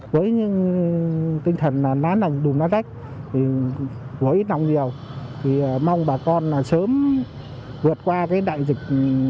với tinh thần lá nồng đùm lá đách vỗi nồng nhiều mong bà con sớm vượt qua đại dịch